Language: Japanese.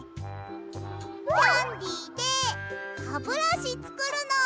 キャンデーでハブラシつくるの！